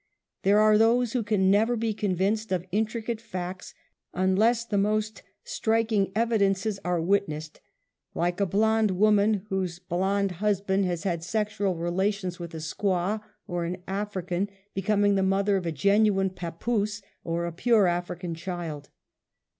There are those who can never be convinced of in tricate facts unless the most striking evidences are \ witnessed, like a blonde woman whose blonde husband PUKE MANHOOD. 27 Las had sexual relations with a squaw or an African,^ becoming the mother of a genuine papoose, or a pure African child.